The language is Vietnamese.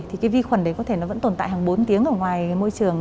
thì cái vi khuẩn đấy có thể nó vẫn tồn tại hàng bốn tiếng ở ngoài môi trường